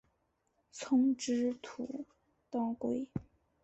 丛枝土当归